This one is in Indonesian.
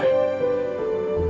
ku mau menyelami samudera